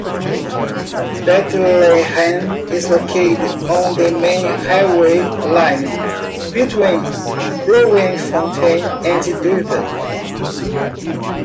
Bethlehem is located on the main railway line between Bloemfontein and Durban.